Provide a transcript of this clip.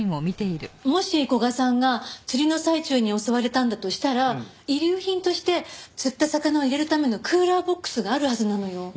もし古賀さんが釣りの最中に襲われたんだとしたら遺留品として釣った魚を入れるためのクーラーボックスがあるはずなのよ。